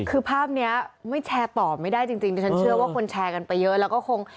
คือภาพนี้ไม่แชร์ต่อไม่ได้จริงดิฉันเชื่อว่าคนแชร์กันไปเยอะแล้วก็คง